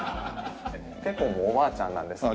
結構もうおばあちゃんなんですけど。